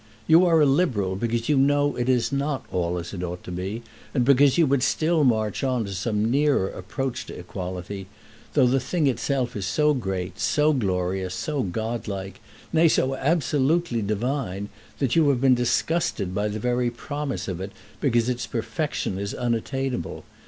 You are a Liberal because you know that it is not all as it ought to be, and because you would still march on to some nearer approach to equality; though the thing itself is so great, so glorious, so godlike, nay, so absolutely divine, that you have been disgusted by the very promise of it, because its perfection is unattainable.